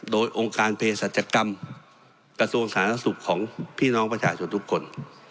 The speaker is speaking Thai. โดยองค์การเพศรัชกรรมกระทรวงสาธารณสุขของพี่น้องประชาชนทุกคน